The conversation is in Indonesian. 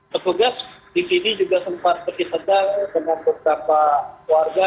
petugas di sini juga sempat berdikadang dengan beberapa warga